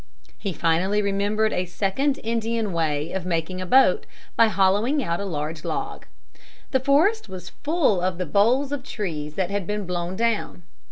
He finally remembered a second Indian way of making a boat by hollowing out a large log. The forest was full of the boles of trees that had been blown down.